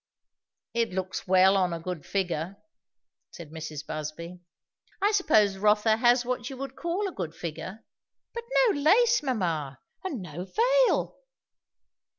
"It looks well on a good figure," said Mrs. Busby. "I suppose Rotha has what you would call a good figure. But no lace, mamma! and no veil!"